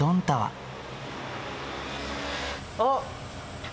あっ！